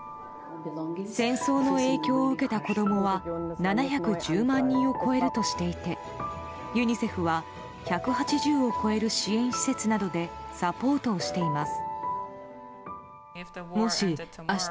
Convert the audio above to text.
戦争の影響を受けた子供は７１０万人を超えるとしていてユニセフは１８０を超える支援施設などでサポートをしています。